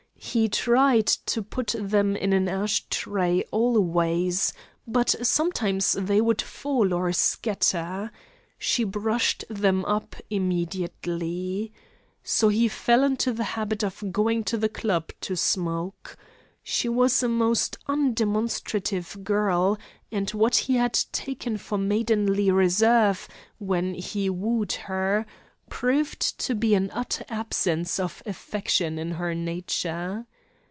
He tried to put them in an ash tray always; but sometimes they would fall or scatter. She brushed them up immediately. So he fell into the habit of going to the club to smoke. She was a most undemonstrative girl; and what he had taken for maidenly reserve, when he wooed her, proved to be an utter absence of affection in her nature.